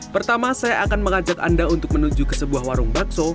pertama saya akan mengajak anda untuk menuju ke sebuah warung bakso